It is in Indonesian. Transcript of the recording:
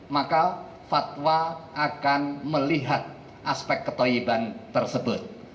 maka fatwa akan melihat aspek ketoiban tersebut